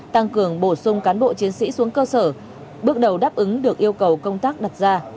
tăng cường bổ sung cán bộ chiến sĩ xuống cơ sở bước đầu đáp ứng được yêu cầu công tác đặt ra